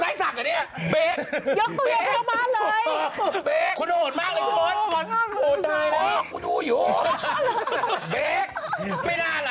ช่วงหน้าคุณเบลี่ยผ่าตริมอย่าบอกว่าถ่ายนูทไม่ใช่ใช่เปล่า